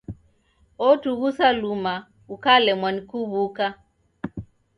Otughusa luma ukalemwa ni kuw'uka.